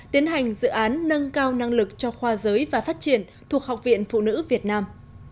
tiến hành dự án nâng cao năng lực cho khoa giới và phát triển thuộc học viện phụ nữ việt nam